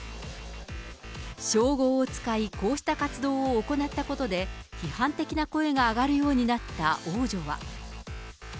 称号を使い、こうした活動を行ったことで、批判的な声が上がるようになった王女は。